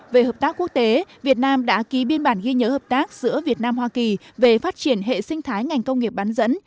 về hợp tác quốc tế việt nam đã ký biên bản ghi nhớ hợp tác giữa việt nam hoa kỳ về phát triển hệ sinh thái ngành công nghiệp bán dẫn